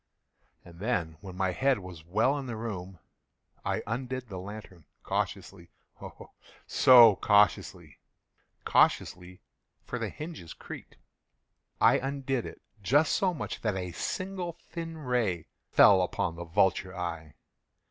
And then, when my head was well in the room, I undid the lantern cautiously—oh, so cautiously—cautiously (for the hinges creaked)—I undid it just so much that a single thin ray fell upon the vulture eye.